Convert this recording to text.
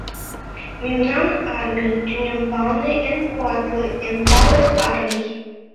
Мемнан армий — тӱнямбалне эн куатле, эн тале армий.